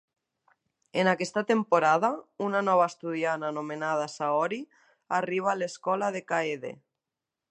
En aquesta temporada, una nova estudiant anomenada Saori arriba a l'escola de Kaede.